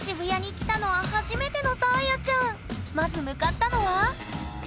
まず向かったのは。